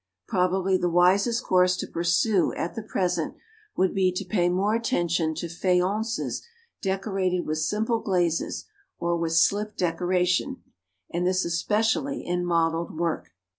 Probably the wisest course to pursue at the present would be to pay more attention to faiences decorated with simple glazes or with "slip" decoration, and this especially in modelled work.